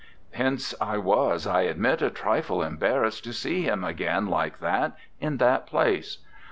Hence I was, I admit, a trifle embarrassed to see him again like that, in that place.